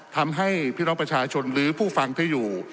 ทำให้พี่น้องประชาชนหรือผู้ฟังที่อยู่